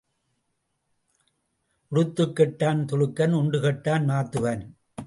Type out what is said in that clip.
உடுத்துக் கெட்டான் துலுக்கன் உண்டு கெட்டான் மாத்துவன்.